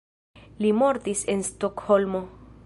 Li mortis en Stokholmo.